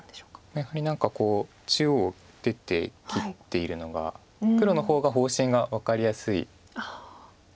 やはり何か中央を出て切っているのが黒の方が方針が分かりやすいので。